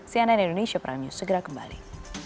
cnn indonesia prime news segera kembali